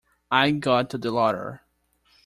I got to the larder.